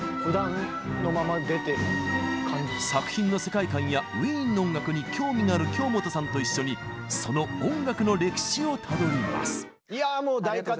作品の世界観やウィーンの音楽に興味がある京本さんと一緒にその音楽の歴史をたどります。